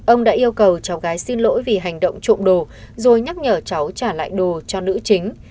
ông đã yêu cầu cháu gái xin lỗi vì hành động trộm đồ rồi nhắc nhở cháu trả lại đồ cho nữ chính